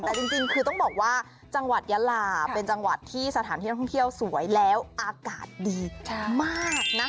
แต่จริงคือต้องบอกว่าจังหวัดยาลาเป็นจังหวัดที่สถานที่ท่องเที่ยวสวยแล้วอากาศดีมากนะคะ